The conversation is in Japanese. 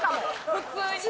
普通にね。